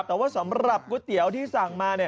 แต่ว่าสำหรับก๋วยเตี๋ยวที่สั่งมา